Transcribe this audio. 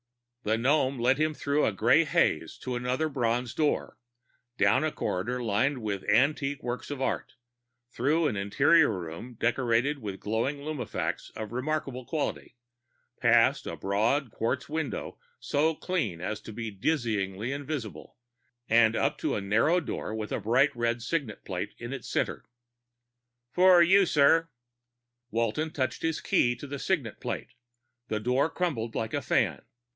The gnome led him through a gray haze to another bronze door, down a corridor lined with antique works of art, through an interior room decorated with glowing lumi facts of remarkable quality, past a broad quartz window so clean as to be dizzyingly invisible, and up to a narrow door with a bright red signet plate in its center. "For you, sir." Walton touched his key to the signet plate; the door crumpled like a fan.